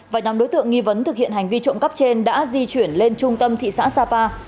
và nhóm đối tượng nghi vấn thực hiện hành vi trộm cắp trên đã di chuyển lên trung tâm thị xã sapa